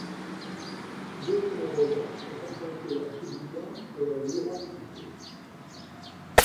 D'autres magasins sont implantés à Shibuya et à Yurakucho.